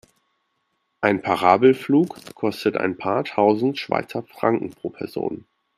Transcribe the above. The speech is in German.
Ein Parabelflug kostet ein paar tausend Schweizer Franken pro Person.